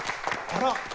あら！